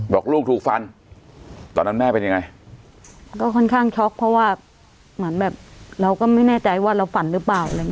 บอกลูกถูกฟันตอนนั้นแม่เป็นยังไงก็ค่อนข้างช็อกเพราะว่าเหมือนแบบเราก็ไม่แน่ใจว่าเราฝันหรือเปล่าอะไรอย่างเ